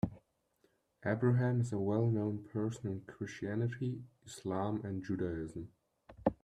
Abraham is a well known person in Christianity, Islam and Judaism.